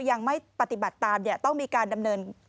ยังไม่ปฏิบัติตามต้องมีการดำเนิน